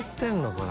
これ。